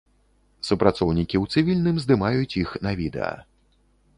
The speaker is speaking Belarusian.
Супрацоўнікі ў цывільным здымаюць іх на відэа.